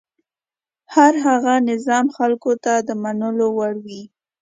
هر هغه نظام خلکو ته د منلو وړ وي.